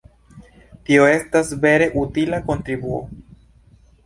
Tio estas vere utila kontribuo!